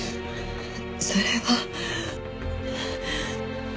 それは。